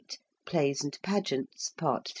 PLAYS AND PAGEANTS. PART III.